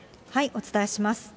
お伝えします。